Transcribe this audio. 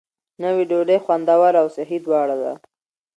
نوې ډوډۍ خوندوره او صحي دواړه ده.